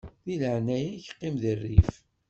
Di leɛnaya-k qqim di rrif.